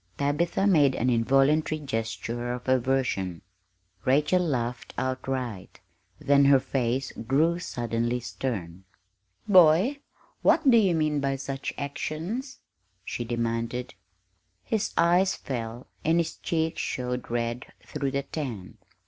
Tabitha made an involuntary gesture of aversion. Rachel laughed outright; then her face grew suddenly stern. "Boy, what do you mean by such actions?" she demanded. His eyes fell, and his cheeks showed red through the tan.